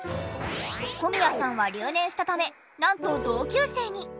小宮さんは留年したためなんと同級生に！